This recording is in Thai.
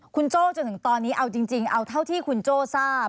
คุณโจ้จนถึงตอนนี้เอาจริงเอาเท่าที่คุณโจ้ทราบ